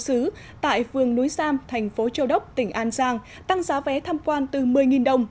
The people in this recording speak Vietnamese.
sứ tại phường núi sam thành phố châu đốc tỉnh an giang tăng giá vé tham quan từ một mươi đồng